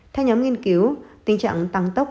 theo nhóm nghiên cứu tình trạng tăng tốc